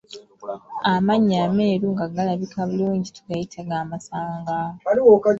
Amannyo ameeru nga galabika bulungi tugayita gamasanga.